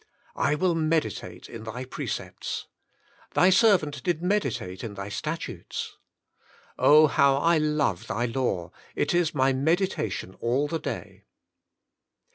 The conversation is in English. ^^I will meditate in Thy precepts.'^ " Thy servant did meditate in Thy statutes." " how I love Thy law, it is my meditation all the day."